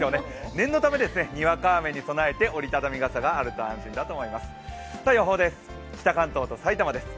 念のため、にわか雨に備えて折り畳み傘があると安心です。